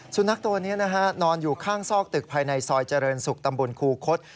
สุนัขตัวนี้นะฮะนอนอยู่ข้างซอกตึกภายในซอยเจริญศุกร์ตำบลครูคศ